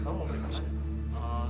kamu mau beritahu apaan